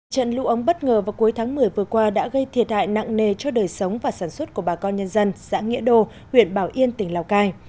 trận lũ ống bất ngờ vào cuối tháng một mươi vừa qua đã gây thiệt hại nặng nề cho đời sống và sản xuất của bà con nhân dân xã nghĩa đô huyện bảo yên tỉnh lào cai